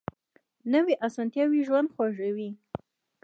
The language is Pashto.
نوې اسانتیا ژوند خوږوي